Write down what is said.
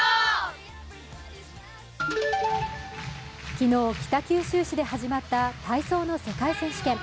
昨日、北九州市で始まった体操の世界選手権。